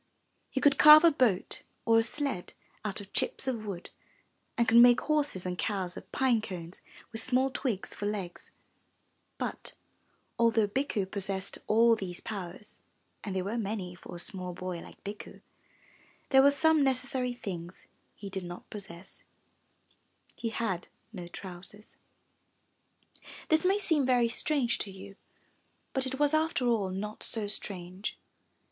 He could carve a boat or a sled out of chips of wood and could make horses and cows of pine cones with small twigs for legs. But, although Bikku possessed all these powers (and they were many for a small boy like Bikku), there were some necessary things he did not possess — he had no 396 UP ONE PAIR OF STAIRS trousers. This may seem very strange to you, but it was after all not so strange.